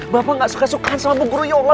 bapak gak suka sukaan sama bu guruyola